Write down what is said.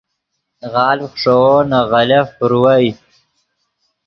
غالڤ خشوؤ نے غلف پروئے ڤیو